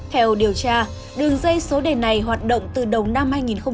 theo điều tra đường dây số đề này hoạt động từ đầu năm